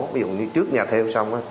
ví dụ như trước nhà thêu xong